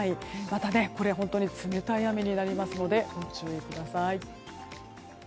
またこれも冷たい雨になりますので、ご注意ください。